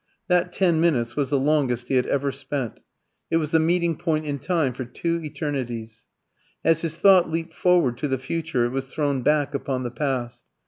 That ten minutes was the longest he had ever spent, it was the meeting point in time for two eternities. As his thought leaped forward to the future it was thrown back upon the past.